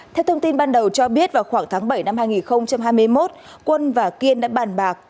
theo thông tin ban đầu cho biết vào khoảng tháng bảy năm hai nghìn hai mươi một quân và kiên đã bàn bạc